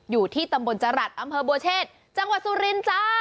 อยู่ที่ตำบลจรัสอำเภอบัวเชษจังหวัดสุรินทร์จ้า